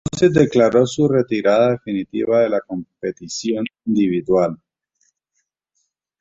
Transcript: Entonces declaró su retirada definitiva de la competición individual.